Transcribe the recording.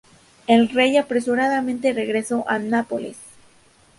El rey apresuradamente regresó a Nápoles.